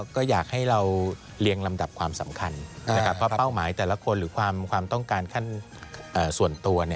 ก็อยากให้เราเรียงลำดับความสำคัญเพราะเป้าหมายแต่ละคนหรือความต้องการขั้นส่วนตัว